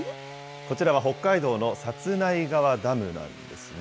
こちらは北海道の札内川ダムなんですね。